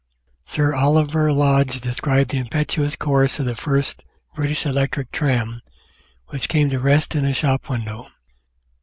Sir Oliver Lodge described the impetuous course of the first British electric tram, "which came to rest in a shop window."